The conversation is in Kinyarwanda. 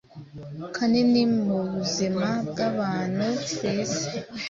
kanini mu buzima bw’abantu ku isi